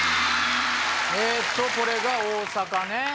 えっとこれが大阪ね。